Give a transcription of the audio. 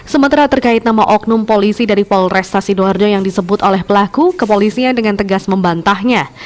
sementara terkait nama oknum polisi dari polresta sidoarjo yang disebut oleh pelaku kepolisian dengan tegas membantahnya